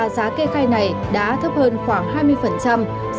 giá kê khai này đã thấp hơn khoảng hai mươi so với giá kê khai của các nhà xuất bản khác